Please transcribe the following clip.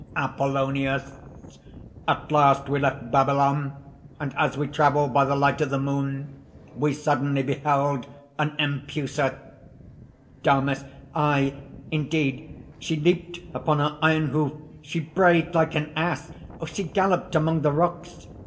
APOLLONIUS. "At last we left Babylon; and as we travelled by the light of the moon, we suddenly beheld an Empusa." DAMIS. "Aye, indeed! She leaped upon her iron hoof; she brayed like an ass; she galloped among the rocks.